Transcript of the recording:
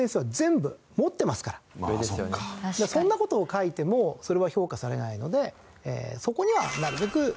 そんな事を書いてもそれは評価されないのでそこにはなるべく。